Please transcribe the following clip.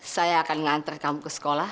saya akan mengantar kamu ke sekolah